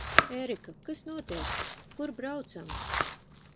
Ērika, kas notiek? Kur braucam?